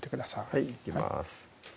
はいいきます